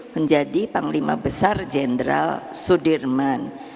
menjadi panglima besar jenderal sudirman